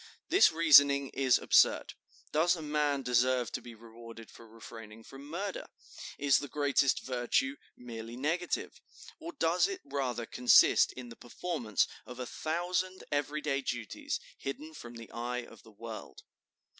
This reasoning is absurd. Does a man deserve to be rewarded for refraining from murder? Is the greatest virtue merely negative? or does it rather consist in the performance of a thousand every day duties, hidden from the eye of the world?"